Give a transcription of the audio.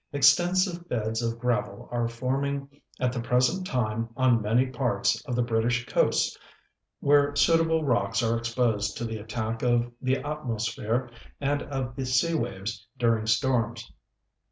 Extensive beds of gravel are forming at the present time on many parts of the British coasts where suitable rocks are exposed to the attack of the atmosphere and of the sea waves during storms.